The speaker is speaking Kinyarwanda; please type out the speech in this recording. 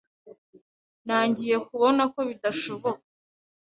Ntangiye kubona ko bidashoboka.